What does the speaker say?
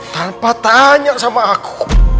tanpa tanya sama aku